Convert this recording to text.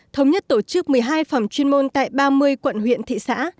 thống nhất tổ chức một mươi hai phòng chuyên môn tại ba mươi quận huyện thị xã